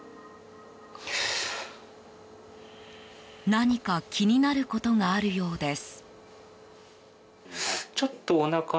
何か、気になることがあるようです。